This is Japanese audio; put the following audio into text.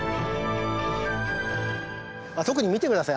特に見て下さい。